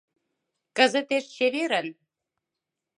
Кызытеш чеверын.